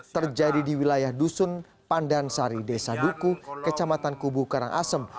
terjadi di wilayah dusun pandansari desa duku kecamatan kubu karangasem